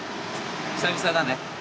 久々だね。